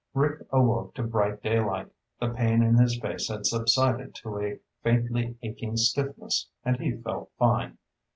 Rick awoke to bright daylight. The pain in his face had subsided to a faintly aching stiffness and he felt fine.